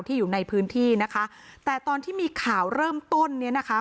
อยู่ในพื้นที่นะคะแต่ตอนที่มีข่าวเริ่มต้นเนี่ยนะคะ